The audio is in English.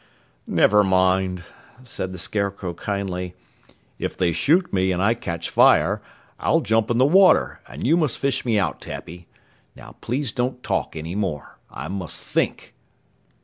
"Never mind," said the Scarecrow kindly. "If they shoot me and I catch fire, I'll jump in the water and you must fish me out, Tappy. Now please don't talk any more. I must think!"